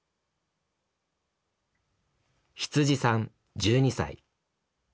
羊さん１２歳。